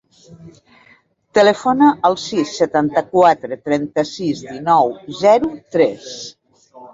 Telefona al sis, setanta-quatre, trenta-sis, dinou, zero, tres.